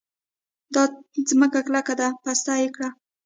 دا ځمکه کلکه ده؛ پسته يې کړه.